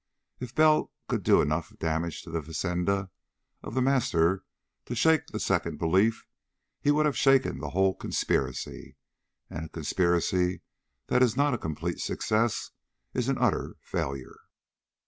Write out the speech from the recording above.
If Bell could do enough damage to the fazenda of The Master to shake the second belief, he would have shaken the whole conspiracy. And a conspiracy that is not a complete success is an utter failure.